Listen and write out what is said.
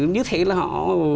như thế là họ